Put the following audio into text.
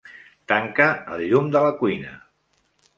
Tanca el llum de la cuina.